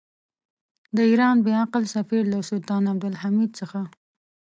د ایران بې عقل سفیر له سلطان عبدالحمید څخه.